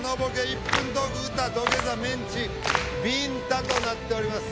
１分トーク歌土下座メンチびんたとなっております。